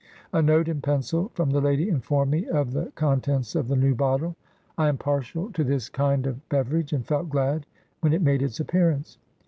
A note in pencil from the lady informed me of the con tents of the new bottle. I am partial to this kind of beverage, and felt glad when it made its appearance.